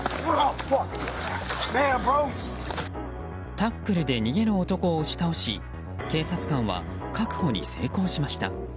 タックルで逃げる男を押し倒し警察官は確保に成功しました。